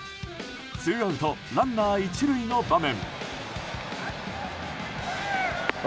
ツーアウトランナー１塁の場面。